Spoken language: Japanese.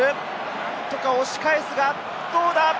何とか押し返すが、どうだ？